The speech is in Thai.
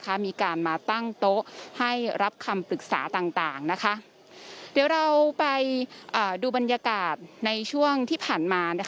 ที่จะมีการมาตั้งโต๊ะให้รับคำปรึกษาต่างนะคะเดี๋ยวเราไปดูบรรยากาศในช่วงที่ผ่านมา